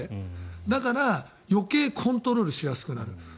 だから、余計にコントロールしやすくなる。